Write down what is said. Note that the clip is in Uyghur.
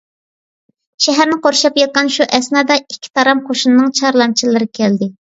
شەھەرنى قورشاپ ياتقان شۇ ئەسنادا ئىككى تارام قوشۇننىڭ چارلامچىلىرى كەلدى.